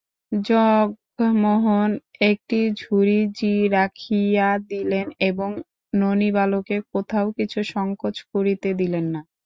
জগমোহন একটি বুড়ি ঝি রাখিয়া দিলেন এবং ননিবালাকে কোথাও কিছু সংকোচ করিতে দিলেন না।